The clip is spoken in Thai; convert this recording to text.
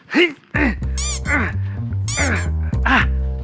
หึ